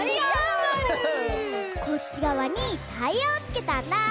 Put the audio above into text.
こっちがわにタイヤをつけたんだ！